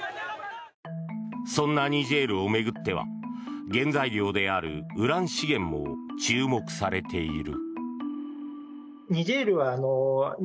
そんなニジェールを巡っては原材料であるウラン資源も注目されている。